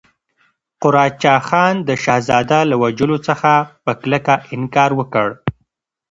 قراچه خان د شهزاده له وژلو څخه په کلکه انکار وکړ.